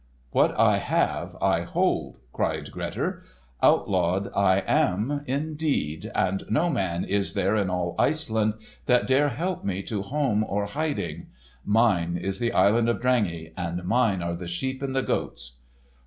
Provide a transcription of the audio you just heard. "What I have, I hold," called Grettir. "Outlawed I am, indeed, and no man is there in all Iceland that dare help me to home or hiding. Mine is the Island of Drangey, and mine are the sheep and the goats."